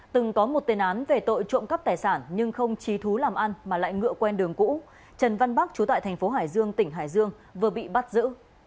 từng có một tên án về tội trộm cắp tài sản nhưng không trí thú làm ăn mà lại ngựa quen đường cũ trần văn bắc chú tại thành phố hải dương tỉnh hải dương vừa bị bắt giữ